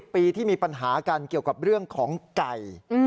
ปีที่มีปัญหากันเกี่ยวกับเรื่องของไก่